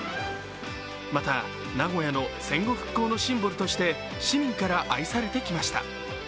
また、名古屋の戦後復興のシンボルとして市民から愛されてきました。